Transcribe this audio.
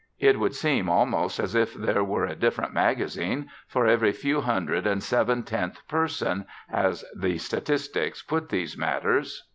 It would seem almost as if there were a different magazine for every few hundred and seven tenth person, as the statistics put these matters.